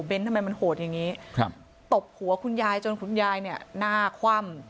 ทำไมมันโหดอย่างนี้ครับตบหัวคุณยายจนคุณยายเนี่ยหน้าคว่ำ